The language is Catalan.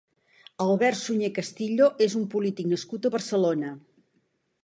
Albert Sunyer Castillo és un polític nascut a Barcelona.